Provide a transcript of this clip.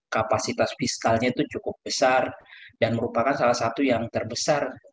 kapasitas fiskalnya itu cukup besar dan merupakan salah satu yang terbesar